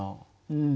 うん。